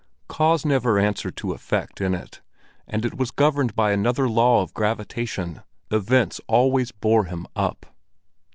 Cause never answered to effect in it, and it was governed by another law of gravitation: events always bore him up.